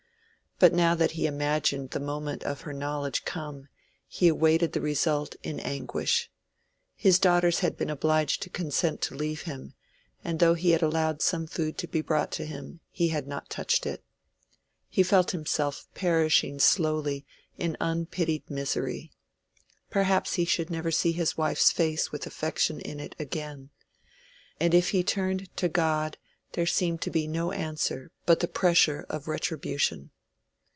But now that he imagined the moment of her knowledge come, he awaited the result in anguish. His daughters had been obliged to consent to leave him, and though he had allowed some food to be brought to him, he had not touched it. He felt himself perishing slowly in unpitied misery. Perhaps he should never see his wife's face with affection in it again. And if he turned to God there seemed to be no answer but the pressure of retribution.